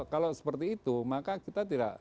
kalau seperti itu maka kita tidak